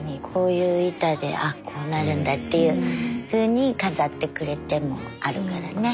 こういう板であっこうなるんだっていうふうに飾ってくれてもあるからね。